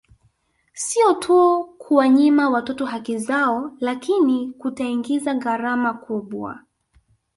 Sio tu kunawanyima watoto haki zao lakini kutaingiza gharama kubwa